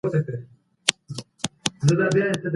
څه وخت ملي سوداګر صابون هیواد ته راوړي؟